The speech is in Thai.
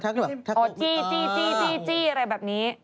ถ้าเขาแบบก็แบบ